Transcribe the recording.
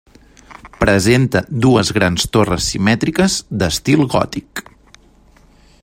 Presenta dues grans torres simètriques d'estil gòtic.